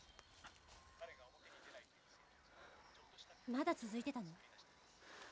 まだ続いてたの？